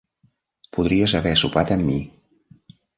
Podries haver sopat amb mi.